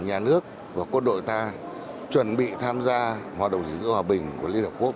nhà nước và quân đội ta chuẩn bị tham gia hoạt động gìn giữ hòa bình của liên hợp quốc